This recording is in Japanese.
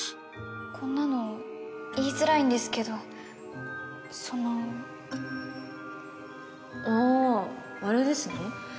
こんなの言いづらいんですけどそのあああれですね